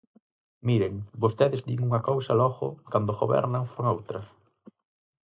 Miren, vostedes din unha cousa e logo, cando gobernan, fan outra.